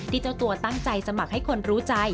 เจ้าตัวตั้งใจสมัครให้คนรู้ใจ